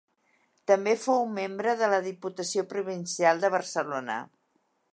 També fou membre de la Diputació provincial de Barcelona.